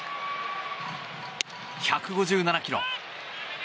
１５７キロ。